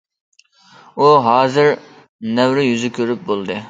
ئۇ ھازىر نەۋرە يۈزى كۆرۈپ بولدى.